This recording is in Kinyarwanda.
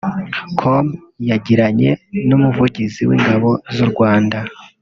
com yagiranye n'umuvugizi w’Ingabo z’u Rwanda